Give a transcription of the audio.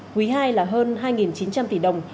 quý ii là hơn hai chín trăm linh tỷ đồng